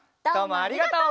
ありがとう。